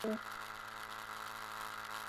สเตซี่หาสวิตซ์ไฟไม่เจอ